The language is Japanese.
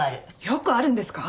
よくあるんですか？